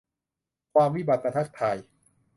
ความวิบัติมาทักทาย